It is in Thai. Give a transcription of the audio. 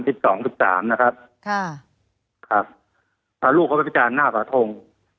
สิบสองสิบสามนะครับค่ะครับพาลูกเขาไปประจานหน้าปะทง